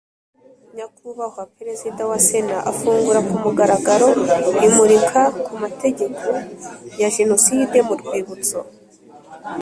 Nyakubahwa Perezida wa Sena afungura ku mugaragaro imurika ku mateka ya Jenoside mu rwibutso